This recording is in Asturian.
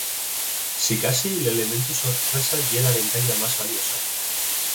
Sicasí, l'elementu sorpresa ye la ventaya más valiosa.